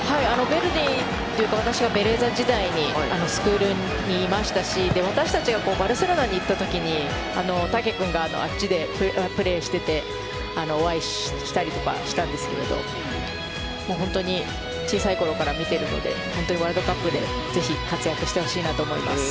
ヴェルディというか私のベレーザ時代にスクールにいましたし私たちがバルセロナに行った時にタケ君があっちでプレーしててお会いしたりとかしたんですけど本当に小さいころから見ているので本当にワールドカップでぜひ活躍してほしいなと思います。